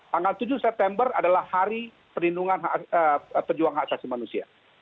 tanggal tujuh september adalah hari perlindungan pejuang hak asasi manusia